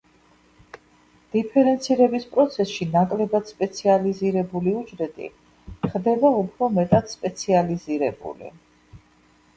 დიფერენცირების პროცესში ნაკლებად სპეციალიზირებული უჯრედი ხდება უფრო მეტად სპეციალიზირებული.